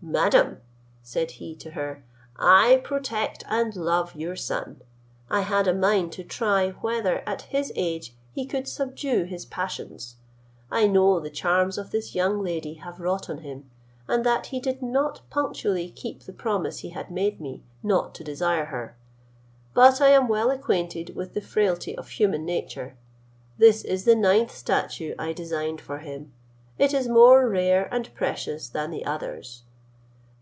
"Madam," said he to her, "I protect and love your son: I had a mind to try, whether, at his age, he could subdue his passions. I know the charms of this young lady have wrought on him, and that he did not punctually keep the promise he had made me, not to desire her; but I am well acquainted with the frailty of human nature. This is the ninth statue I designed for him; it is more rare and precious than the others.